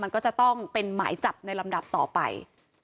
มันก็จะต้องเป็นหมายจับในลำดับต่อไป